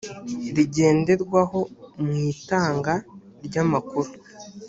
ngenderwaho mu itanga ry amakuru